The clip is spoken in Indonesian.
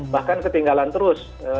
bahkan ketinggalan terus